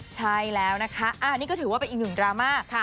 ใช่แล้วนะคะนี่ก็ถือว่าเป็นอีกหนึ่งดราม่า